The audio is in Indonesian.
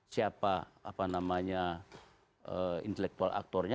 siapa intelektual aktornya